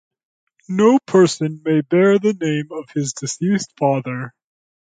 No person may bear the name of his deceased father.